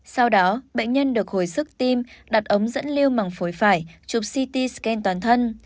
sau đó bệnh nhân được hồi sức tim đặt ống dẫn lưu bằng phổi phải chụp ct scan toàn thân